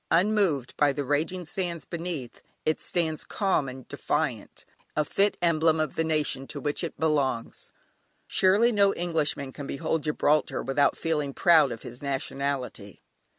Unmoved by the raging seas beneath, it stands calm and defiant, a fit emblem of the nation to which it belongs. Surely no Englishman can behold Gibraltar without feeling proud of his nationality.